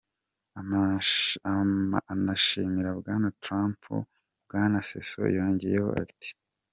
Anashimira Bwana Trump, Bwana Sessions yongeyeho ati:.